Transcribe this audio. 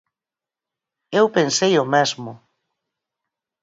Eu pensei o mesmo!